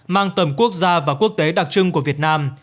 mang tầm quốc gia và quốc tế đặc trưng của việt nam